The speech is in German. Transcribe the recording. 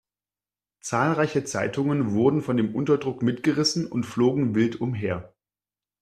Zahlreiche Zeitungen wurden von dem Unterdruck mitgerissen und flogen wild umher.